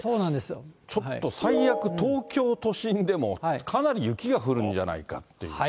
ちょっと最悪、東京都心でもかなり雪が降るんじゃないかっていう。